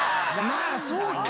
まぁそうか！